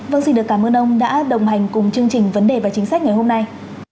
vâng xin được cảm ơn ông đã đồng hành cùng chương trình vấn đề và chính sách ngày hôm nay